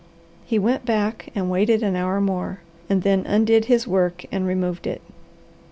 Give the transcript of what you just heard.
He went back and waited an hour more, and then undid his work and removed it.